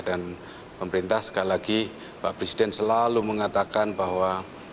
dan pemerintah sekali lagi pak presiden selalu mengatakan bahwa